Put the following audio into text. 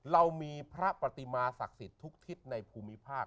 เรามีพระปฏิมาศักดิ์สิทธิ์ทุกทิศในภูมิภาค